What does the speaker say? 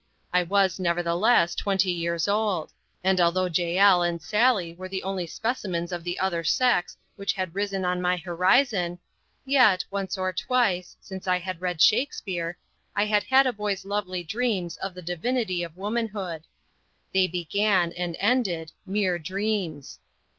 I was, nevertheless, twenty years old; and although Jael and Sally were the only specimens of the other sex which had risen on my horizon, yet once or twice, since I had read Shakspeare, I had had a boy's lovely dreams of the divinity of womanhood. They began, and ended mere dreams.